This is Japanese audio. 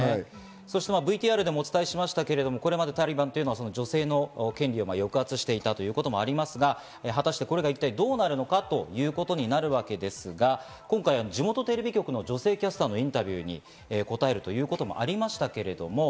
そしてＶＴＲでもお伝えしましたけど、これまでタリバンというのは女性の権利を抑圧していたということもありますが、これが一体どうなるのかというわけですが、今回は地元テレビ局の女性キャスターのインタビューに答えるということもありました。